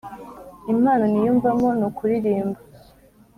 Impano niyumvamo nukuririmba